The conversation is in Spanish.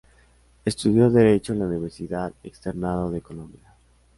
Estudió derecho en la Universidad Externado de Colombia.